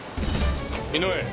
井上。